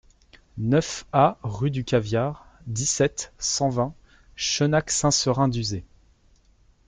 neuf A rue du Caviar, dix-sept, cent vingt, Chenac-Saint-Seurin-d'Uzet